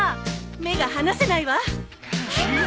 目が離せないわ！